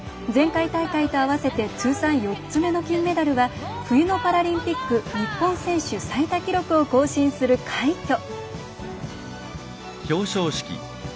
前回大会と合わせて通算４つ目の金メダルは冬のパラリンピック日本選手最多記録を更新する快挙。